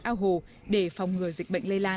ao hồ để phòng ngừa dịch bệnh lây lan